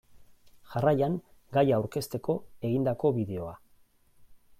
Jarraian gaia aurkezteko egindako bideoa.